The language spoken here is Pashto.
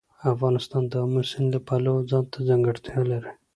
افغانستان د آمو سیند له پلوه ځانته ځانګړتیا لري.